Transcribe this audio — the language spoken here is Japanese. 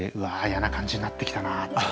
嫌な感じになってきたなって。